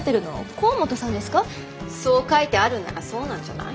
そう書いてあるんならそうなんじゃない？